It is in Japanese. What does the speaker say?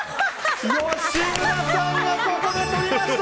吉村さんが、ここでとりました！